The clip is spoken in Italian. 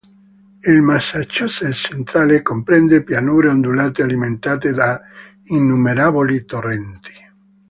Il Massachusetts centrale comprende pianure ondulate alimentate da innumerevoli torrenti.